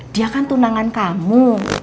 dia kan tunangan kamu